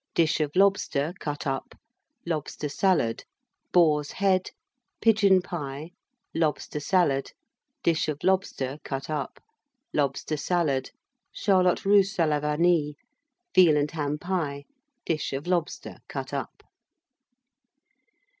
Dish of Lobster, cut up. Lobster Salad. Boar's Head. Pigeon Pie. Lobster Salad. Dish of Lobster, cut up. Lobster Salad. Charlotte Russe à la Vanille. Veal and Ham Pie. Dish of Lobster, cut up.